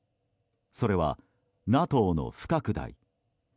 それはＮＡＴＯの不拡大。